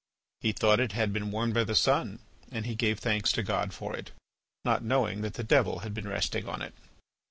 He thought it had been warmed by the sun and he gave thanks to God for it, not knowing that the Devil had been resting on it.